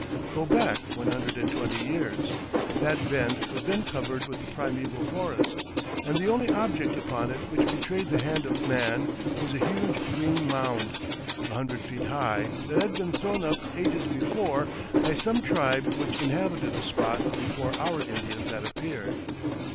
Go back one hundred and twenty years. That bend was then covered with the primeval forest, and the only object upon it which betrayed the hand of man was a huge green mound, a hundred feet high, that had been thrown up ages before by some tribe which inhabited the spot before our Indians had appeared.